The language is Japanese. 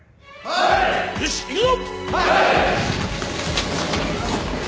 はい！